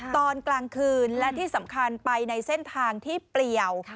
ตอนกลางคืนและที่สำคัญไปในเส้นทางที่เปลี่ยว